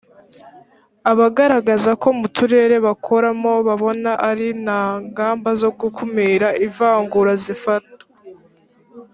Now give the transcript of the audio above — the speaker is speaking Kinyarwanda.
abagaragaza ko mu turere bakoramo babona ari nta ngamba zo gukumira ivangura zifatwa